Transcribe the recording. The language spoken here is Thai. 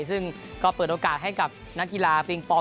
ซึ่งก็เปิดโอกาสให้กับนักกีฬาปิงปอง